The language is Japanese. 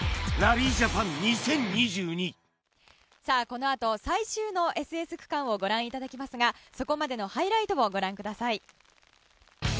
このあと最終のＳＳ区間をご覧いただきますがそこまでのハイライトをご覧ください。